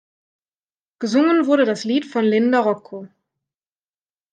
Gesungen wurde das Lied von Linda Rocco.